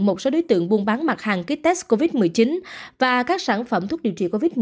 một số đối tượng buôn bán mặt hàng ký test covid một mươi chín và các sản phẩm thuốc điều trị covid một mươi